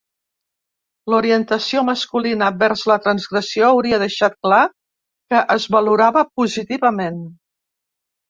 L'orientació masculina vers la transgressió hauria deixat clar que es valorava positivament.